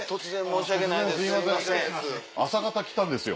朝方来たんですよ